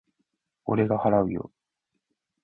俺が払うよ。